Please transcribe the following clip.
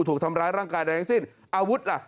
ถูกทำร้ายร่างกายใดที่สิ้น